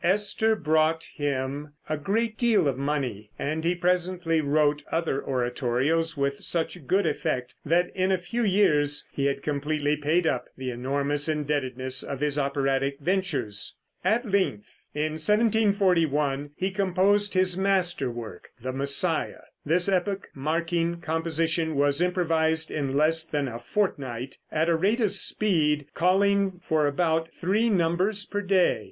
"Esther" brought him a great deal of money, and he presently wrote other oratorios with such good effect that in a very few years he had completely paid up the enormous indebtedness of his operatic ventures. At length, in 1741, he composed his master work the "Messiah." This epoch marking composition was improvised in less than a fortnight, a rate of speed calling for about three numbers per day.